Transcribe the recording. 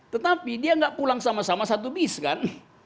tetapi dia nggak pulang sama sama satu bis kan